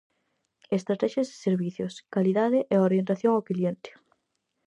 Estratexias de servizos: calidade e orientación ao cliente.